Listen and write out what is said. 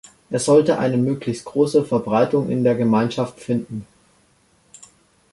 Er sollte eine möglichst große Verbreitung in der Gemeinschaft finden.